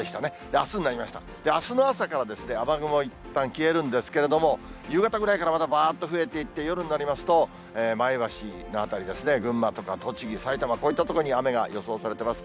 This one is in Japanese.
あすでした、あすの朝から雨雲いったん消えるんですけれども、夕方ぐらいからまたばーっと増えていって、夜になりますと、前橋の辺りですね、群馬とか栃木、埼玉、こういった所に雨が予想されてます。